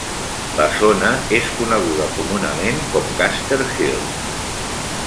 La zona és coneguda comunament com "Custer Hill".